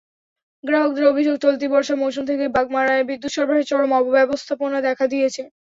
গ্রাহকদের অভিযোগ, চলতি বর্ষা মৌসুম থেকে বাগমারায় বিদ্যুৎ সরবরাহে চরম অব্যবস্থাপনা দেখা দিয়েছে।